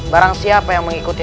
barang siapa yang mengikuti